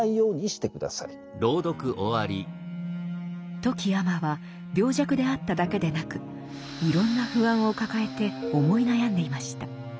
富木尼は病弱であっただけでなくいろんな不安を抱えて思い悩んでいました。